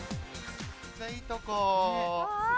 ・めっちゃいいとこ・あっ！